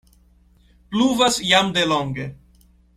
Pluvas jam de longe.